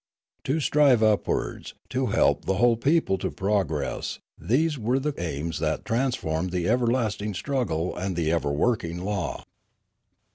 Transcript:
To strive up wards, to help the whole people to progress, these were the aims that transformed the everlasting struggle and the ever working law.